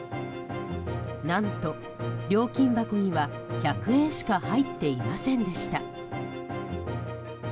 何と、料金箱には１００円しか入っていませんでした。